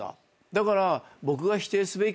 だから。